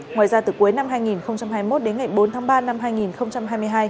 ngoài ra từ cuối năm hai nghìn hai mươi một đến ngày bốn tháng ba năm hai nghìn hai mươi hai